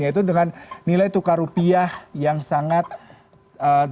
yaitu dengan nilai tukar rupiah yang sangat tinggi